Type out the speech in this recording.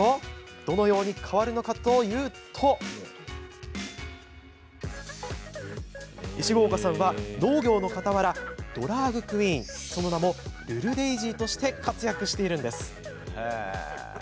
どのように変わるのかというと石郷岡さんは、農業のかたわらドラァグクイーンその名もルルデイジーとして活躍しているんです。